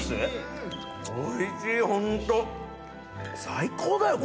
最高だよ